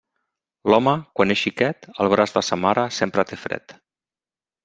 L'home, quan és xiquet, al braç de sa mare, sempre té fred.